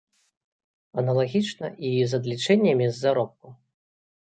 Аналагічна і з адлічэннямі з заробку.